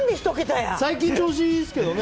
最近調子いいですけどね。